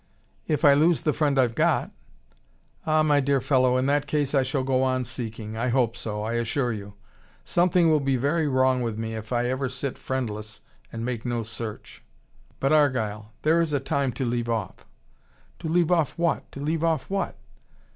"If I lose the friend I've got. Ah, my dear fellow, in that case I shall go on seeking. I hope so, I assure you. Something will be very wrong with me, if ever I sit friendless and make no search." "But, Argyle, there is a time to leave off." "To leave off what, to leave off what?"